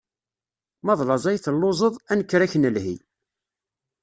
Ma d laẓ ay telluẓeḍ, ad nekker ad ak-nelhi.